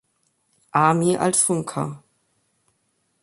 Army als Funker.